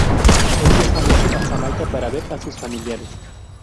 Él viaja mucho a Jamaica para ver a sus familiares.